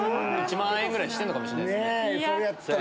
１万円ぐらいしてんのかもしれないっすね。